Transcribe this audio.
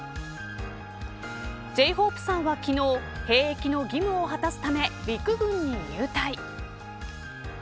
Ｊ−ＨＯＰＥさんは昨日兵役の義務を果たすため陸軍に入隊。